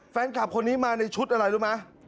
แฟนคลับคนนี้มาในชุดอะไรรู้ไหม